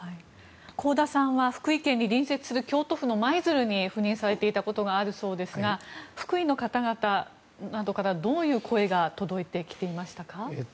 香田さんは福井県に隣接する京都府の舞鶴に赴任されていたことがあるようですが福井の方々などからどういう声が届いてきていましたか？